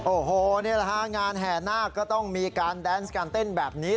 โอ้โหนี่แหละฮะงานแห่นาคก็ต้องมีการแดนส์การเต้นแบบนี้